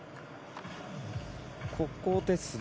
ここですね。